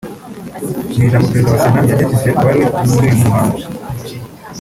Mu ijambo Perezida wa Sena yagejeje ku bari muri uyu muhango